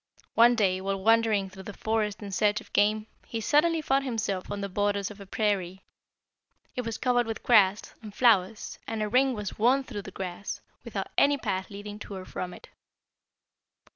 One day, while wandering through the forest in search of game, he suddenly found himself on the borders of a prairie. It was covered with grass, and flowers, and a ring was worn through the grass, without any path leading to or from it.